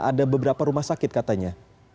ada beberapa rumah sakit katanya